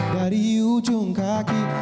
dari ujung kaki